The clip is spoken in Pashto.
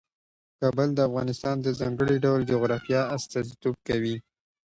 کابل د افغانستان د ځانګړي ډول جغرافیه استازیتوب کوي.